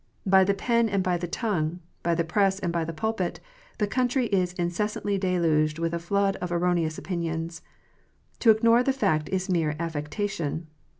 By the pen and by the tongue, by the press and by the pulpit, the country is incessantly deluged with a flood of erroneous opinions. To ignore the fact is mere affectation.